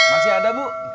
masih ada bu